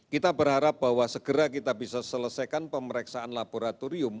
kita berharap bahwa segera kita bisa selesaikan pemeriksaan laboratorium